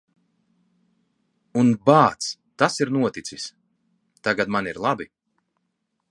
Un, bāc, tas ir noticis. Tagad man ir labi.